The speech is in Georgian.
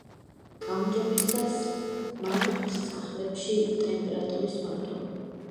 გაუმჯობესდება სმართ-სახლებში ტემპერატურის მართვა.